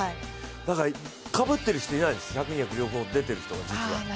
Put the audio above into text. だから、かぶってる人いないんです１００、２００両方出てる人が、実は。